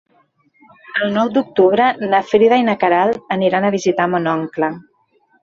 El nou d'octubre na Frida i na Queralt aniran a visitar mon oncle.